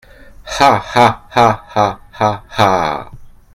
Ah ! ah ! ah ! ah ! ah ! ah !